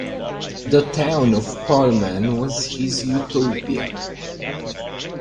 The town of Pullman was his utopia.